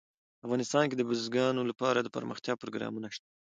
افغانستان کې د بزګان لپاره دپرمختیا پروګرامونه شته.